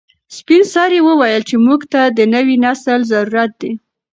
سپین سرې وویل چې موږ ته د نوي نسل ضرورت دی.